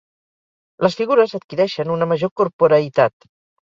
Les figures adquireixen una major corporeïtat.